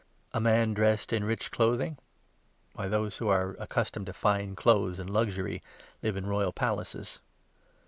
A man dressed in rich clothing ? Why, those who are accustomed to fine clothes and luxury live in royal palaces.